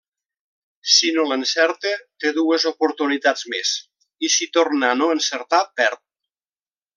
Si no l'encerta, té dues oportunitats més, i si torna a no encertar, perd.